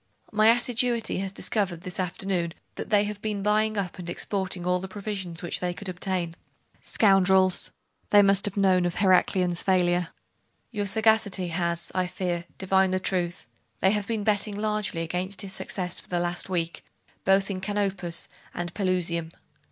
'My assiduity has discovered this afternoon that they have been buying up and exporting all the provisions which they could obtain.' 'Scoundrels! Then they must have known of Heraclian's failure!' 'Your sagacity has, I fear, divined the truth. They have been betting largely against his success for the last week, both in Canopus and Pelusium.